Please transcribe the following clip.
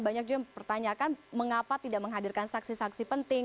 banyak juga yang pertanyakan mengapa tidak menghadirkan saksi saksi penting